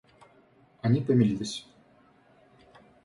Они помирились.